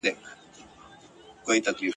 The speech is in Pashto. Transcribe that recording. پر هر قدم به سجدې کومه !.